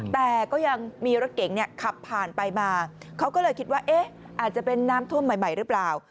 แต่ก็ยังมีรถเก๋งเนี่ยขับผ่านไปมาเขาก็เลยคิดว่าเอ๊ะอาจจะเป็นน้ำท่วมใหม่หรือเปล่า